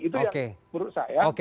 itu yang menurut saya